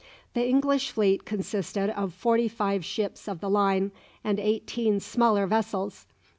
The English fleet consisted of forty five ships of the line, and eighteen smaller vessels.